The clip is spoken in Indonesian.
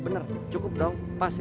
bener cukup dong pas ya